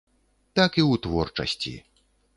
Такі і ў творчасці.